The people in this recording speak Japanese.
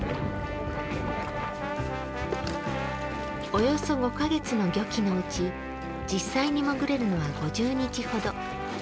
およそ５か月の漁期のうち実際に潜れるのは５０日ほど。